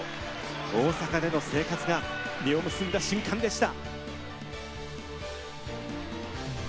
大阪での生活が実を結んだ瞬間でした。